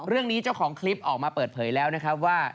เจ้าของคลิปออกมาเปิดเผยแล้วนะครับว่า